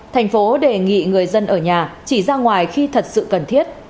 thành phố đề nghị người dân ở nhà chỉ ra ngoài khi thật sự cần thiết